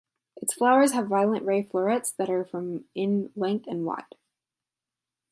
Its flowers have violet ray florets that are from in length and wide.